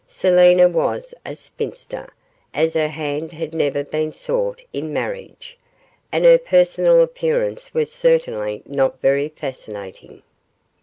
Selina was a spinster, as her hand had never been sought in marriage, and her personal appearance was certainly not very fascinating.